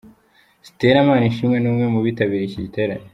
Stella Manishimwe ni umwe mu bitabiriye iki giterane.